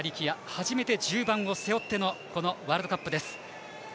初めて１０番を背負ってのこのワールドカップです。